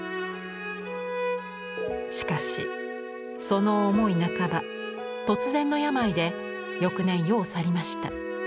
しかしその思い半ば突然の病で翌年世を去りました。